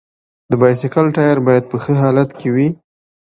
د بایسکل ټایر باید په ښه حالت کې وي.